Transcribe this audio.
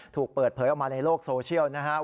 ถูกเปิดเผยออกมาในโลกโซเชียลนะครับ